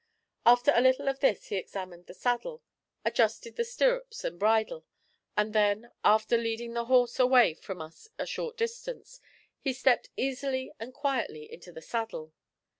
After a little of this he examined the saddle, adjusted the stirrups and bridle, and then, after leading the horse away from us a short distance, he stepped easily and quietly into the saddle.